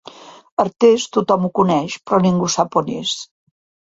Artés, tothom ho coneix, però ningú sap on és.